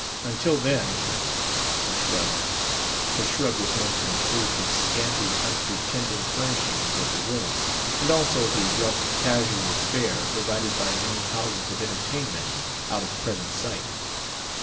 Until then...." He shrugged. His shrug was meant to include the scanty, unpretending furnishings of the room, and also the rough casual fare provided by many houses of entertainment out of present sight.